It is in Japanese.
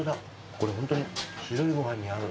これホントに白いご飯に合う。